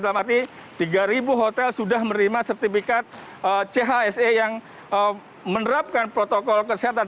dalam arti tiga hotel sudah menerima sertifikat chse yang menerapkan protokol kesehatan